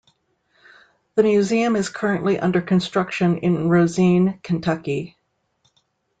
The museum is currently under construction in Rosine, Kentucky.